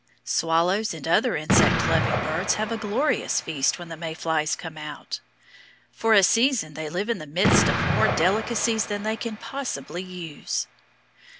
Swallows and other insect loving birds have a glorious feast when the May flies come out. For a season they live in the midst of more delicacies than they can possibly use.